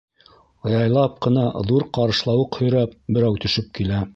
Яйлап ҡына ҙур ҡарышлауыҡ һөйрәп берәү төшөп килә.